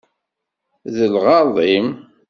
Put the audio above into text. Deg lɣeṛḍ-im!